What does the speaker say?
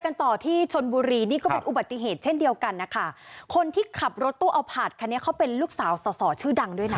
ต่อที่ชนบุรีนี่ก็เป็นอุบัติเหตุเช่นเดียวกันนะคะคนที่ขับรถตู้เอาผาดคันนี้เขาเป็นลูกสาวสอสอชื่อดังด้วยนะ